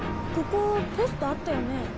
ここポストあったよね。